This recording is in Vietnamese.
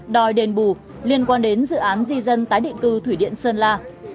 đòi đền bù liên quan đến dự án di dân tái định cư thủy điện sơn la